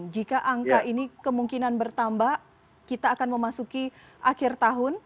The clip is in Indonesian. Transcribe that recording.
jika angka ini kemungkinan bertambah kita akan memasuki akhir tahun